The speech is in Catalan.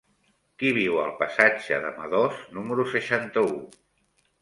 Qui viu al passatge de Madoz número seixanta-u?